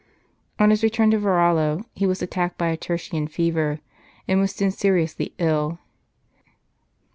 On his return to Varallo he was attacked by a tertian fever, and was soon seriously ill.